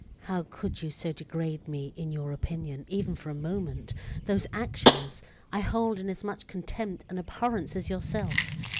how could you so degrade me in your opinion, even for a moment!) those actions—I hold in as much contempt and abhorrence as yourself?